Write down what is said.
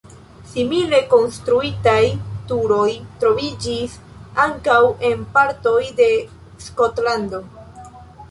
Simile konstruitaj turoj troviĝis ankaŭ en partoj de Skotlando.